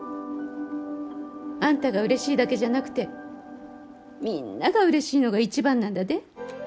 あんたがうれしいだけじゃなくてみぃんながうれしいのが一番なんだで。